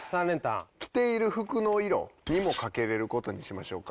着ている服の色にも賭けれる事にしましょうか。